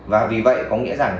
và vì vậy có nghĩa rằng